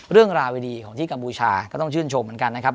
เรื่องราวดีของที่กัมพูชาก็ต้องชื่นชมเหมือนกันนะครับ